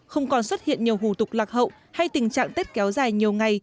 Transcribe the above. không còn xuất hiện nhiều hủ tục lạc hậu hay tình trạng tết kéo dài nhiều ngày